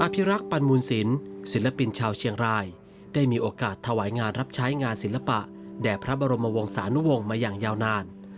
พิรักษ์ปันมูลศิลป์ศิลปินชาวเชียงรายได้มีโอกาสถวายงานรับใช้งานศิลปะแด่พระบรมวงศานุวงศ์มาอย่างยาวนาน